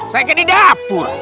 saya kayak di dapur